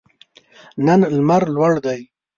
نن لمر لوړ دی